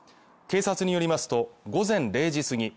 警察によりますと午前０時過ぎ